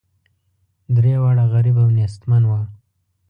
درې واړه غریب او نیستمن وه.